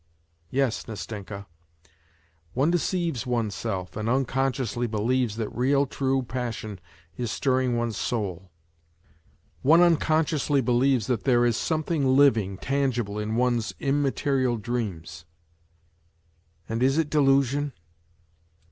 Yes, Nastenka, one deceives oneself and unconsciously believes that real true passion is stirring one's soul ; one unconsciously believes that there is something living, tangible in one's immaterial dreams ! And is it delusion